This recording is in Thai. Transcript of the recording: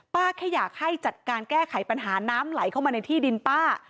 แค่อยากให้จัดการแก้ไขปัญหาน้ำไหลเข้ามาในที่ดินป้า